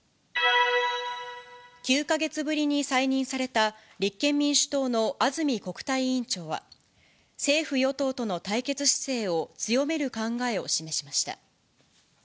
９か月ぶりに再任された、立憲民主党の安住国対委員長は、政府・与党との対決姿勢を強める考えを示しました。